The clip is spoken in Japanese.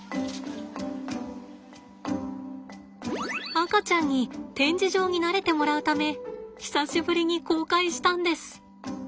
赤ちゃんに展示場に慣れてもらうため久しぶりに公開したんです。